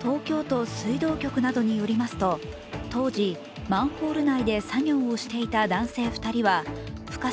東京都水道局などによりますと当時、マンホール内で作業をしていた男性２人は深さ